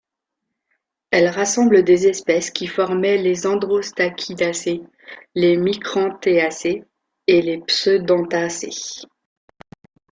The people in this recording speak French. Elle rassemble des espèces qui formaient les Androstachydacées, les Micranthéacées et les Pseudanthacées.